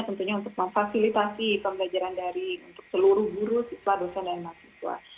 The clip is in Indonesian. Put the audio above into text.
tentunya untuk memfasilitasi pembelajaran daring untuk seluruh guru siswa dosen dan mahasiswa